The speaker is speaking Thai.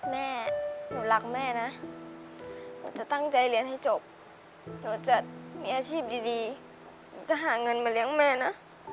แม่หนูรักแม่นะหนูจะตั้งใจเรียนให้จบหนูจะมีอาชีพดีหนูจะหาเงินมาเลี้ยงแม่นะ